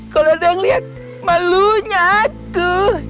kalau ada yang lihat malunya aku